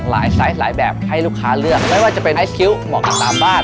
ไซส์หลายแบบให้ลูกค้าเลือกไม่ว่าจะเป็นไอซ์คิ้วเหมาะกับตามบ้าน